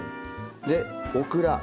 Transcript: でオクラ。